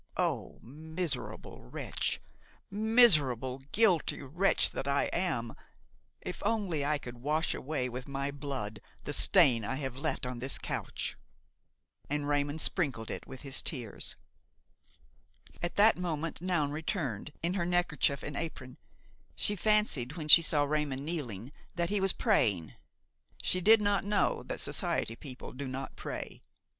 Oh! miserable wretch! miserable, guilty wretch that I am! if only I could wash away with my blood the stain I have left on this couch!" And Raymon sprinkled it with his tears. At that moment Noun returned, in her neckerchief and apron; she fancied, when she saw Raymon kneeling, that he was praying. She did not know that society people do not pray.